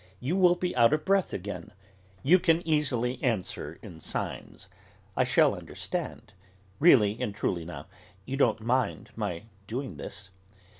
You will be out of breath again. You can easily answer in signs; I shall understand. Really and truly now, you don't mind my doing this?